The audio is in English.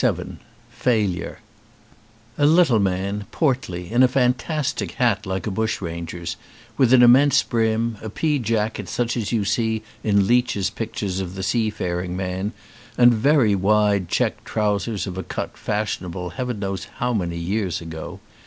185 XLVTI FAILURE A LITTLE man, portly, in a fantastic hat, like a bushranger's, with an immense brim, a pea jacket such as you see in Leech's pictures of the sea faring man, and very wide check trousers of a cut fashionable heaven knows how many years ago.